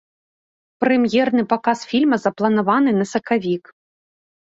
Прэм'ерны паказ фільма запланаваны на сакавік.